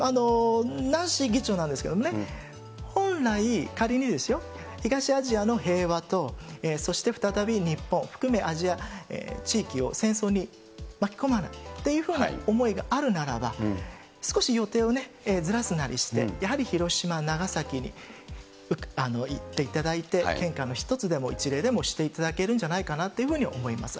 ナンシー議長なんですけれどもね、本来、仮にですよ、東アジアの平和と、そして再び、日本含めアジア地域を戦争に巻き込まないというふうな思いがあるならば、少し予定をね、ずらすなりして、やはり広島、長崎に行っていただいて、献花の一つでも、一礼でもしていただけるんじゃないかなというふうに思います。